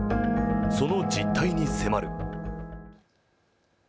その実態に迫る。